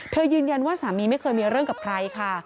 ยืนยันว่าสามีไม่เคยมีเรื่องกับใครค่ะ